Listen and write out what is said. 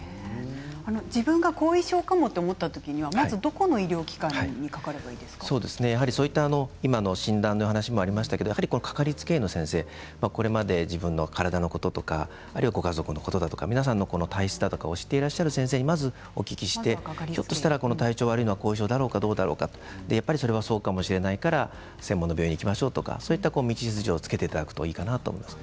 自分が後遺症かもと思った時には、まずどこの診断の話がありましたが掛かりつけの先生、これまで自分の体のこととかご家族のこととか皆さんの体質だとかを知っていらっしゃる先生にまずお聞きしてひょっとしたら体調が悪いのか後遺症だろうか、何だろうかそうかもしれないから専門の領域に行こうとか道筋をつけていただくといいかなと思います。